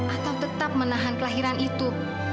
atau tetap menahan kelahiran itu